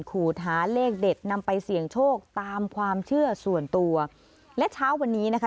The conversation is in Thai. ขูดหาเลขเด็ดนำไปเสี่ยงโชคตามความเชื่อส่วนตัวและเช้าวันนี้นะคะ